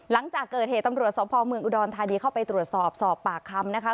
หลังจากเกิดเหตุตำรวจสพเมืองอุดรธานีเข้าไปตรวจสอบสอบปากคำนะคะ